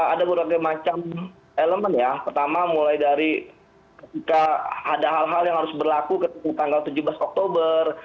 ada berbagai macam elemen ya pertama mulai dari ketika ada hal hal yang harus berlaku ketika tanggal tujuh belas oktober